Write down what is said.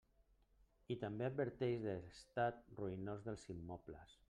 I també adverteix de l'estat ruïnós dels immobles.